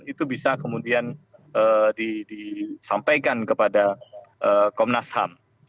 itu bisa kemudian disampaikan kepada komnas ham